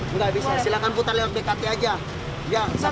tidak bisa silakan lalu lalu melintas dengan bkt saja